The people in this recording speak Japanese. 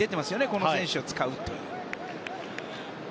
この選手を使うというのは。